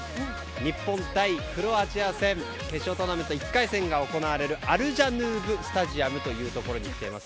日本対クロアチア戦決勝トーナメント１回戦が行われるアルジャヌーブスタジアムというところに来ています。